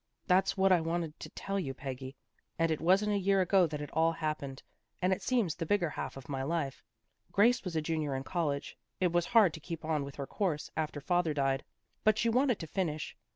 " That's what I wanted to tell you, Peggy. It wasn't a year ago that it all happened, and it seems the bigger half of my life. Grace was a Junior in college. It was hard to keep on with her course, after father died, but she wanted to finish.